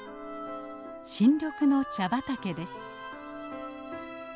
新緑の茶畑です。